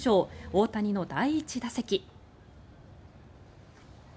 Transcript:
大谷の第１打席。